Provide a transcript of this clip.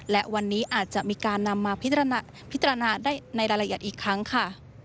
และวันนี้อาจจะมีการนำมาพิจารณาได้ในรายละเอียดอีกครั้งค่ะ